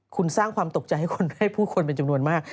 คุณสร้างความตกใจให้คนให้ผู้คนเป็นจำนวนมาก